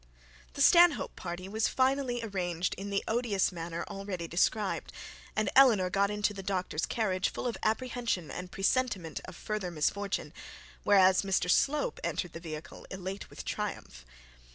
The Stanhope party was finally arranged in the odious manner already described, and Eleanor got into the doctor's waiting carriage full of apprehension and presentiment of further misfortunes, whereas Mr Slope entered the vehicle elate with triumph.